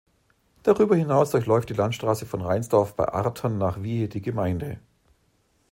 Darüber hinaus durchläuft die Landstraße von Reinsdorf bei Artern nach Wiehe die Gemeinde.